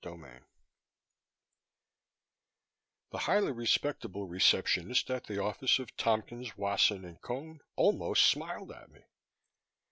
CHAPTER 28 The highly respectable receptionist at the office of Tompkins, Wasson & Cone almost smiled at me.